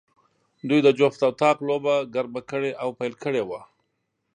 دوی د جفت او طاق لوبه ګرمه کړې او پیل کړې وه.